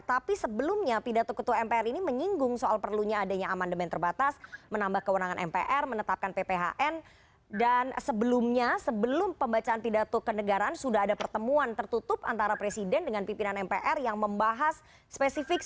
tapi sebelumnya pidato ketua mpr ini menyinggung soal perlunya adanya amandemen terbatas menambah kewenangan mpr menetapkan pphn dan sebelumnya sebelum pembacaan pidato kenegaraan sudah ada pertemuan tertutup antara presiden dengan pimpinan mpr yang membahas spesifik